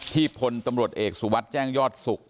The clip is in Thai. พลตำรวจเอกสุวัสดิ์แจ้งยอดศุกร์